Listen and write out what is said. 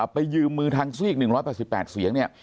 ไปยืมมือทางซื้ออีก๑๘๘เสียง